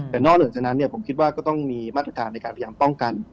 แต่นอกเหนือจากนั้นผมคิดว่าก็ต้องมีมาตรการในการพยายามป้องกัน